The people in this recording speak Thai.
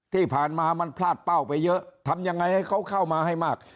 ที่ผ่านมามันพลาดเป้าไปเยอะทำยังไงให้เขาเข้ามาให้มาก